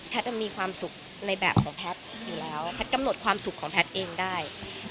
มีความสุขในแบบของแพทย์อยู่แล้วแพทย์กำหนดความสุขของแพทย์เองได้